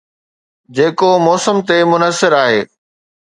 جيڪو موسم تي منحصر آهي.